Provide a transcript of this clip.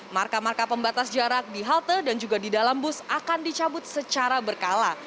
marka marka pembatas jarak di halte dan juga di dalam bus akan dicabut secara berkala